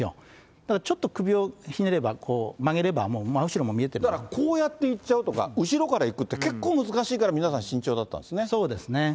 だからちょっと首をひねれば、曲だからこうやっていっちゃうとか、後ろからいくって、結構難しいから皆さん慎重だったんですね。